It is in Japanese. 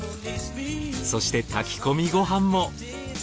そして炊き込みご飯も。